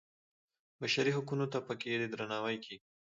بشري حقونو ته په کې درناوی کېږي.